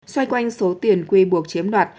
xoay quanh số tiền quy buộc chiếm đoạt